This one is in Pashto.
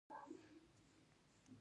يوازې او يوازې د خپلو ژبې